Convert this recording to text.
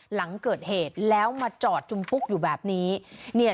หลังเกิดเหตุแล้วมาจอดจุมพุกอยู่แบบนี้เนี่ย